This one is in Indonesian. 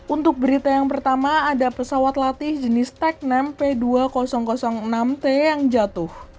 untuk berita yang pertama ada pesawat latih jenis tek enam p dua ribu enam t yang jatuh